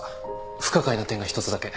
不可解な点が１つだけ。